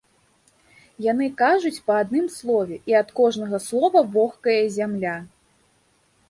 Яны кажуць па адным слове, і ад кожнага слова вохкае зямля.